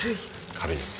軽いです。